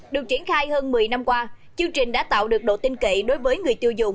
được triển khai hơn một mươi năm qua chương trình đã tạo được độ tin kỵ đối với người tiêu dùng